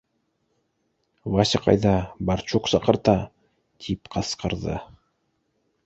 — Вася ҡайҙа, барчук саҡырта! — тип ҡысҡырҙы.